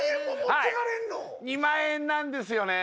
はい２万円なんですよね